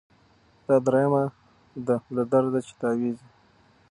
دا دریمه ده له درده چي تاویږي